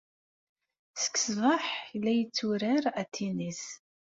Seg ṣṣbaḥ ay la yetturar atennis.